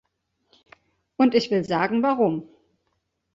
Und ich will sagen, warum.